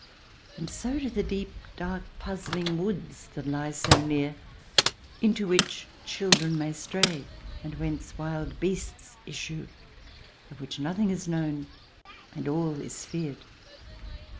And so do the deep, dark, puzzling woods that lie so near, into which children may stray, and whence wild beasts issue, of which nothing is known and all is feared.